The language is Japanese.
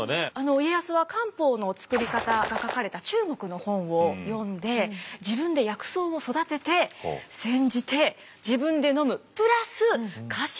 家康は漢方の作り方が書かれた中国の本を読んで自分で薬草を育てて煎じて自分でのむプラス家臣にもあげていたと。